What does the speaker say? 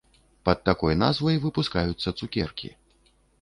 Пад такой назвай выпускаюцца цукеркі.